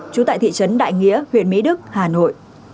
trú tại thị trấn đại nghĩa huyện mỹ đức hà nội